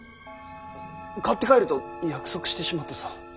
買って帰ると約束してしまったぞ。